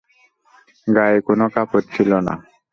গায়ে কোনো কাপড় ছিল না।